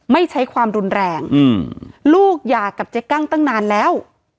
ไม่ใช้ความรุนแรงลูกหย่ากับเจ๊กั้งตั้งนานแล้ว